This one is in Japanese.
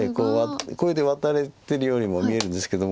これでワタれてるようにも見えるんですけども。